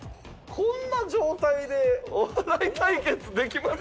こんな状態でお笑い対決できます？